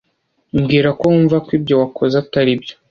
Mbwira ko wumva ko ibyo wakoze atari byo.